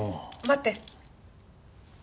待って。